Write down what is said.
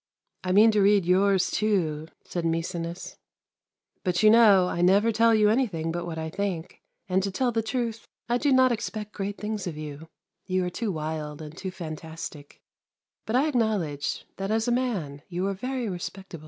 ' I mean to read yours too,' said Maecenas; ' but you know I never tell you anything but what I think, and to tell the truth, I do not expect great things of you, you are too wild and too fantastic; but I acknowledge, that as a man you are very respectable.'